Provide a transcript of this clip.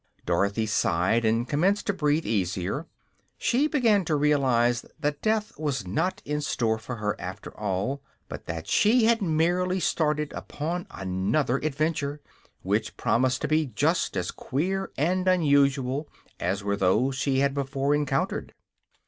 Dorothy sighed and commenced to breathe easier. She began to realize that death was not in store for her, after all, but that she had merely started upon another adventure, which promised to be just as queer and unusual as were those she had before encountered.